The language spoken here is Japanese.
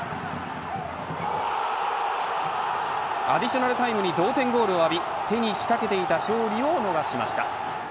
アディショナルタイムに同点ゴールを浴び手にしかけていた勝利を逃しました。